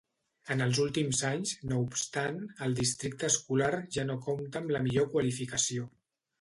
En els últims anys, no obstant, el districte escolar ja no compta amb la millor qualificació.